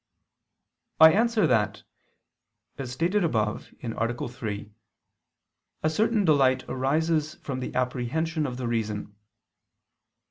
I answer that, As stated above (A. 3), a certain delight arises from the apprehension of the reason.